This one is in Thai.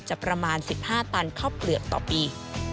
ประมาณ๑๕ตันข้าวเปลือกต่อปี